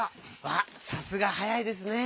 わっさすが早いですね！